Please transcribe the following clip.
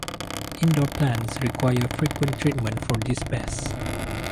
Indoor plants require frequent treatment for these pests.